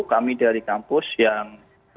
kami dari kampus yang belajar dan mengajar